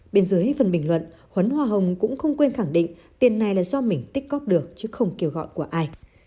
bên dưới phần bình luận huấn hoa hồng cũng không quên khẳng định tiền này là do mình tích cóp được chứ không kêu gọi của ai